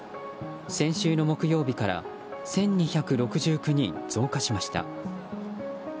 先週の木曜日から１２６９人増加しました。